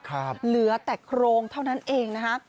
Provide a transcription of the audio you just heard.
ครับมีเหลือแต่โครงเท่านั้นเองนะฮะ